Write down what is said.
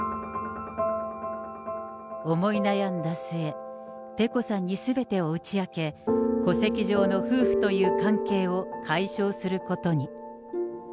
思い悩んだ末、ペコさんにすべてを打ち明け、戸籍上の夫婦という関係を解消することに。